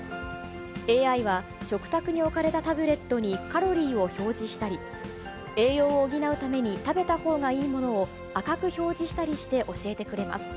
ＡＩは、食卓に置かれたタブレットにカロリーを表示したり、栄養を補うために食べたほうがいいものを赤く表示したりして教えてくれます。